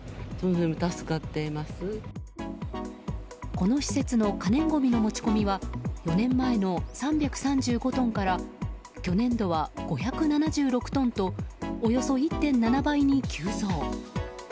この施設の可燃ごみの持ち込みは４年前の３３５トンから去年度は５７６トンとおよそ１．７倍に急増。